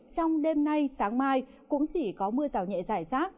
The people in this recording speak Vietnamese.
trong đêm nay sáng mai cũng chỉ có mưa rào nhẹ giải rác